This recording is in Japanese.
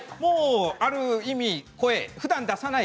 ある意味、ふだん出さない